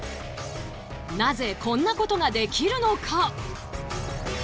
なぜこんなことができるのか？